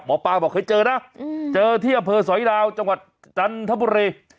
หมอปลาบอกเคยเจอนะเจอที่อำเภอสอยดาวจังหวัดจันทบุรี